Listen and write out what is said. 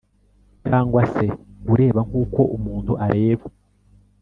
cyangwa se ureba nk’uko umuntu areba’